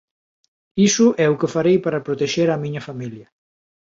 Iso é o que farei para protexer á miña familia.